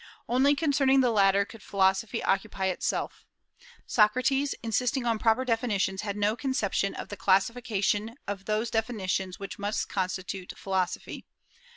Only concerning the latter could philosophy occupy itself. Socrates, insisting on proper definitions, had no conception of the classification of those definitions which must constitute philosophy.